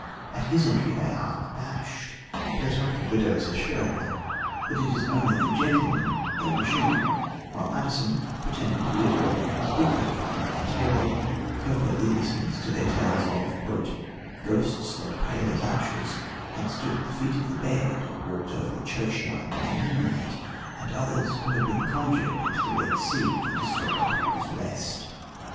At his entry they are abashed, but, on the widow's assuring them that it is only the "gentleman," they resume, while Addison, pretending to be absorbed in his book at the far end of the table, covertly listens to their tales of "ghosts that, pale as ashes, had stood at the feet of the bed or walked over a churchyard by moonlight; and others, who had been conjured into the Red Sea for disturbing people's rest."